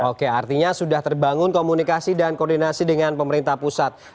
oke artinya sudah terbangun komunikasi dan koordinasi dengan pemerintah pusat